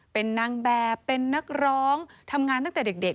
เป็นนางแบบเป็นนักร้องทำงานตั้งแต่เด็ก